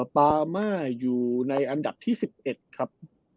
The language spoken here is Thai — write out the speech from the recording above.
ปามาอยู่ในอันดับที่๑๑ครับ